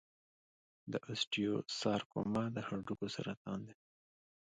د اوسټیوسارکوما د هډوکو سرطان دی.